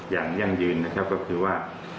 อย่างยั่งยืนก็คือว่า